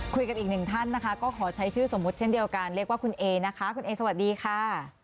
อีกหนึ่งท่านนะคะก็ขอใช้ชื่อสมมุติเช่นเดียวกันเรียกว่าคุณเอนะคะคุณเอสวัสดีค่ะ